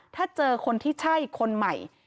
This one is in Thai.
ถ้าเจอคนที่ใช่คนใหม่